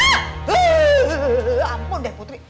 ampun deh putri